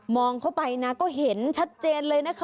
เข้าไปนะก็เห็นชัดเจนเลยนะคะ